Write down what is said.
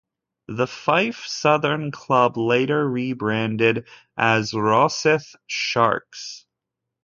The Fife Southern club later rebranded as Rosyth Sharks.